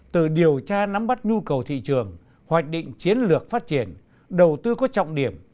từ điều tra nắm bắt nhu cầu thị trường hoạch định chiến lược phát triển đầu tư có trọng điểm